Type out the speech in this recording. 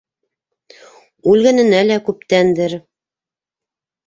Үлгәненә лә күптәндер...